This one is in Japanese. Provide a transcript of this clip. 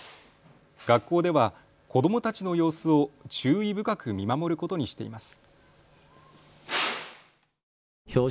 学校では子どもたちの様子を注意深く見守ることにしています。